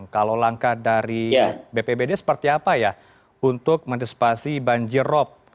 kalau langkah dari bpbd seperti apa ya untuk menyesepasi banjir rob